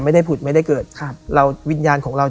ผุดไม่ได้เกิดครับเราวิญญาณของเรา